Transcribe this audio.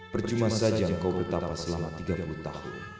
percuma saja kau bertapa selama tiga puluh tahun